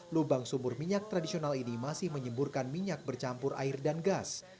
lubang sumur minyak tradisional ini masih menyemburkan minyak bercampur air dan gas